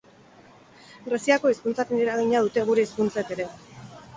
Greziako hizkuntzaren eragina dute gure hizkuntzek ere.